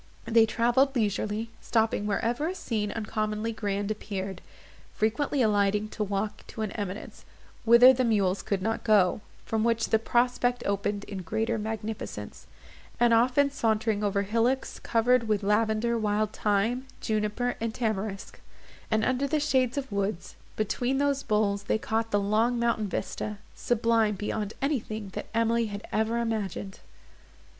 They travelled leisurely; stopping wherever a scene uncommonly grand appeared; frequently alighting to walk to an eminence, whither the mules could not go, from which the prospect opened in greater magnificence; and often sauntering over hillocks covered with lavender, wild thyme, juniper, and tamarisc; and under the shades of woods, between those boles they caught the long mountain vista, sublime beyond anything that Emily had ever imagined.